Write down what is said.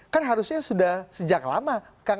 kan harusnya sudah sejak lama